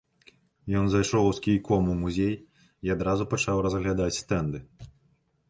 Ён зайшоў з кійком у музей і адразу пачаў разглядаць стэнды.